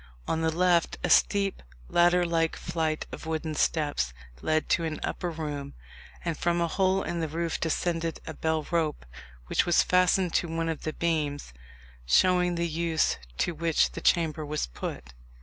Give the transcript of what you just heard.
On the left a steep ladder like flight of wooden steps led to an upper room, and from a hole in the roof descended a bell rope, which was fastened to one of the beams, showing the use to which the chamber was put.